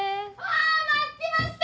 あ待ってました！